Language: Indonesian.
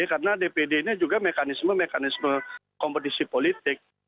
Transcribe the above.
karena dpd ini juga mekanisme mekanisme kompetisi politik